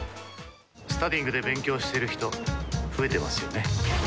スタディイングで勉強している人増えてますよね。